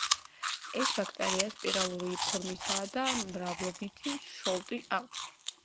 ეს ბაქტერია სპირალური ფორმისაა და მრავლობითი შოლტი აქვს.